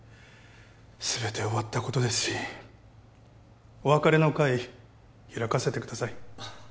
全て終わったことですしお別れの会開かせてください